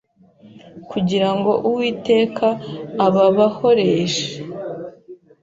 kugira ngo Uwiteka ababahoreshe